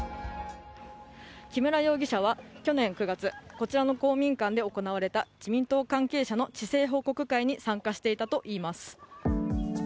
木村容疑者は、去年９月こちらの公民館で行われた自民党関係者の市政報告会に参加していたといいます。